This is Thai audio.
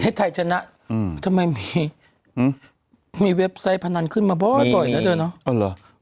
ไทยชนะทำไมมีเว็บไซต์พนันขึ้นมาบ่อยนะเธอเนาะ